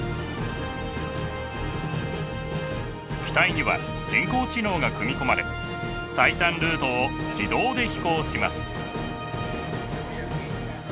機体には人工知能が組み込まれ最短ルートを自動で飛行します。